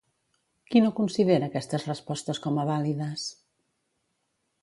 Qui no considera aquestes respostes com a vàlides?